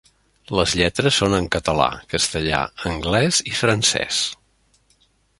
Les lletres són en català, castellà, anglès i francès.